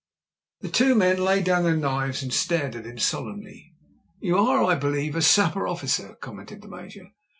The two men laid down their knives and stared at him solemnly. "You are, I believe, a sapper officer," commenced the Major.